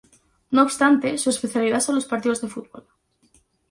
No obstante su especialidad son los partidos de fútbol.